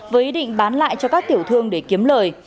với ý định bán lại cho các tiểu thương để kiếm lời